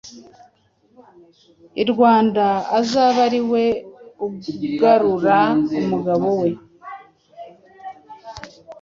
i Rwanda azabe ari we ugarura umugabo we.